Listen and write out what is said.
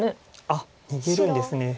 あっ逃げるんですね。